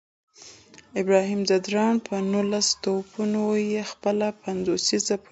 ابراهیم ځدراڼ په نولس توپونو یې خپله پنځوسیزه پوره کړه